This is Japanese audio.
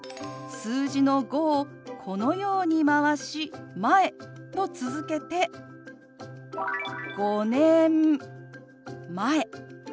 数字の「５」をこのように回し「前」と続けて「５年前」と表します。